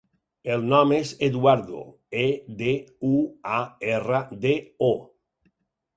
El nom és Eduardo: e, de, u, a, erra, de, o.